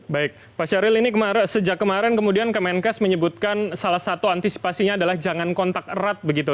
baik pak syahril ini sejak kemarin kemudian kemenkes menyebutkan salah satu antisipasinya adalah jangan kontak erat begitu